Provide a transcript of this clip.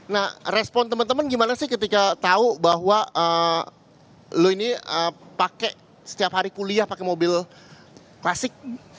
nah respon teman teman gimana sih ketika tahu bahwa lo ini pakai setiap hari kuliah pakai mobil klasik